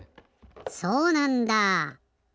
そうなんだ。